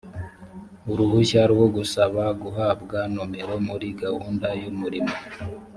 uruhushya rwo gusaba guhabwa nomero muri gahunda yumurimo